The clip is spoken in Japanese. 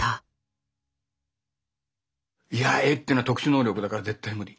いやあ絵っていうのは特殊能力だから絶対無理。